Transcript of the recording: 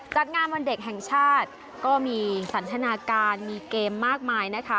จัดงานวันเด็กแห่งชาติก็มีสันทนาการมีเกมมากมายนะคะ